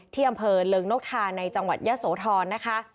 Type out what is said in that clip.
ที่อำเภอเริงนกทาในจังหวัดยะโสธรนะคะ